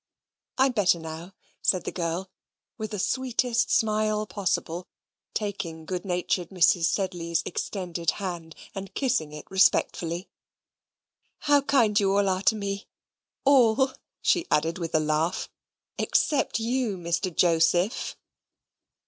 "I'm better, now," said the girl, with the sweetest smile possible, taking good natured Mrs. Sedley's extended hand and kissing it respectfully. "How kind you all are to me! All," she added, with a laugh, "except you, Mr. Joseph."